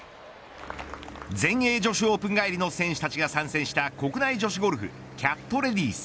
全米女子オープン帰りの選手たちが参戦した国内女子ゴルフＣＡＴレディース。